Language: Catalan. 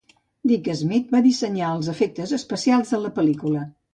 Dick Smith va dissenyar els efectes especials de la pel·lícula.